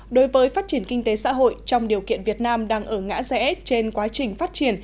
đối với phát triển kinh tế xã hội trong điều kiện việt nam đang ở ngã rẽ trên quá trình phát triển